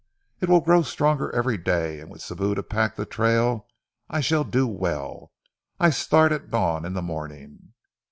"It will grow stronger every day, and with Sibou to pack the trail I shall do well. I start at dawn in the morning."